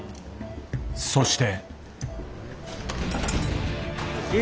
そして。